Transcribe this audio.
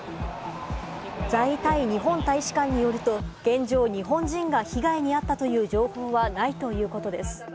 在タイ日本大使館によると、現状、日本人が被害に遭ったという情報はないということです。